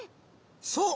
そう！